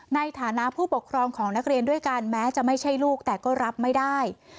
ในฐานะผู้ปกครองของนักเรียนด้วยกันแม้จะไม่ใช่ลูกแต่ก็รับไม่ได้